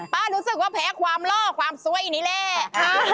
รู้สึกว่าแพ้ความล่อความสวยนี่แหละ